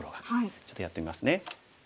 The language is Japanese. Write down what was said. ちょっとやってみますね。